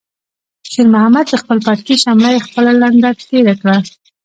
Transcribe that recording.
شېرمحمد د خپل پټکي شمله په خپله لنده تېره کړه.